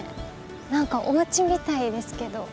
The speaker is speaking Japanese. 何かおうちみたいですけど。